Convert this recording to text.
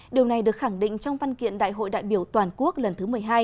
điều này được khẳng định trong văn kiện đại hội đại biểu toàn quốc lần thứ một mươi hai